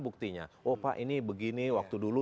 buktinya oh pak ini begini waktu dulu